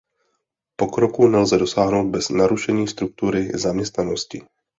Pokroku nelze dosáhnout bez narušení struktury zaměstnanosti.